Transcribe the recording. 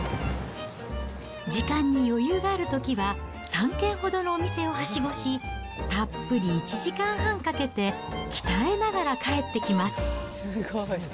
時間に余裕があるときは、３軒ほどのお店をはしごし、たっぷり１時間半かけて鍛えながら帰ってきます。